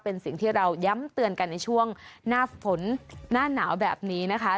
เป็นสิ่งที่เราย้ำเตือนกันในช่วงหน้าฝนหน้าหนาวแบบนี้นะคะ